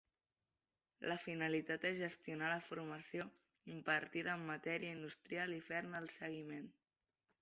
La finalitat és gestionar la formació impartida en matèria industrial i fer-ne el seguiment.